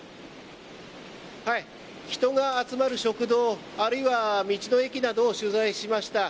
人が集まる食堂あるいは道の駅などを取材しました。